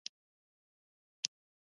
د جامد مایع او ګاز ترمنځ څه توپیر دی.